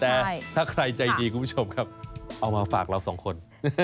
แต่ถ้าใครใจดีคุณผู้ชมครับเอามาฝากเราสองคน